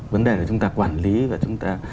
vấn đề là chúng ta quản lý và chúng ta